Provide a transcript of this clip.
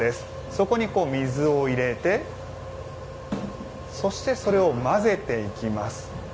そこに水を入れてそして、それを混ぜていきます。